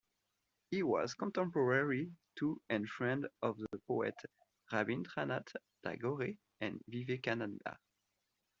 He was contemporary to and friend of the poet Rabindranath Tagore and Vivekananda.